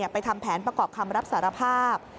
ทำแผนประกอบคำรับสารภาพ